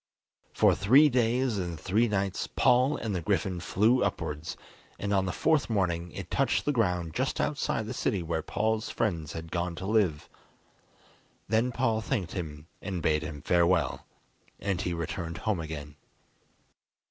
For three days and three nights Paul and the griffin flew upwards, and on the fourth morning it touched the ground just outside the city where Paul's friends had gone to live. Then Paul thanked him and bade him farewell, and he returned home again.